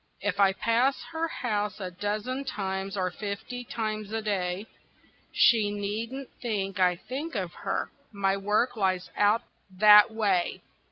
If I pass her house a dozen times, or fifty times a day, She needn't think I think of her, my work lies out that way.